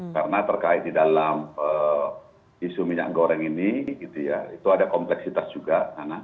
karena terkait di dalam isu minyak goreng ini gitu ya itu ada kompleksitas juga nana